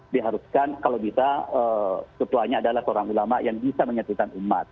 diharuskan kalau bisa ketuanya adalah seorang ulama yang bisa menyatukan umat